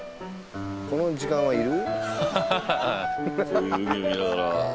この時間はいる？